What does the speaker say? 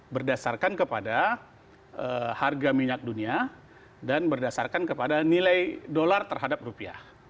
berdasarkan kepada harga minyak dunia dan berdasarkan kepada nilai dolar terhadap rupiah